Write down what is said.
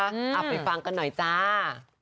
เอาไปฟังกันหน่อยจ้า